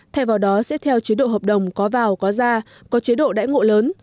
thay vào đó sẽ theo chế độ hợp đồng có vào có ra có chế độ đãi ngộ lớn